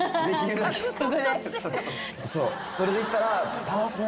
それでいったら。